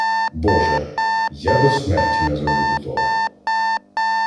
— Боже! Я до смерті не забуду того.